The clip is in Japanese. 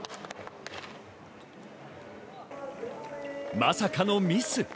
まさかのミス。